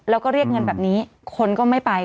แล้วก็เรียกเงินแบบนี้คนก็ไม่ไป